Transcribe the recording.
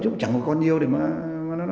chúng chẳng có con yêu để mà